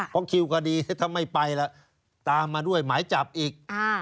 เพราะคิวก็ดีถ้าไม่ไปแล้วตามมาด้วยหมายจับอีก